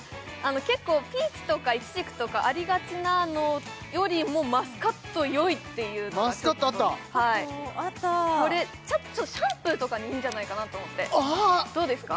結構ピーチとかイチジクとかありがちなのよりもマスカット良いっていうのがマスカットあったマスカットあったこれちょっとシャンプーとかにいいんじゃないかなと思ってどうですか？